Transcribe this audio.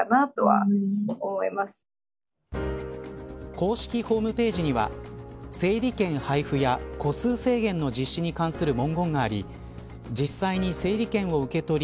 公式ホームページには整理券配布や個数制限の実施に関する文言があり実際に整理券を受け取り